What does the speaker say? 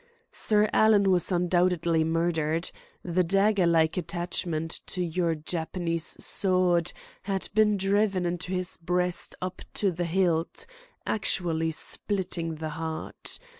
Sir Alan was undoubtedly murdered. The dagger like attachment to your Japanese sword had been driven into his breast up to the hilt, actually splitting his heart.